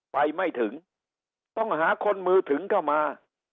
ไปไม่ถึงต้องหาคนมือถึงเข้ามา